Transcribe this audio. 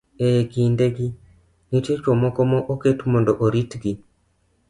E kindegi, nitie chwo moko moket mondo oritgi.